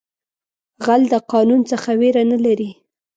غل د قانون څخه ویره نه لري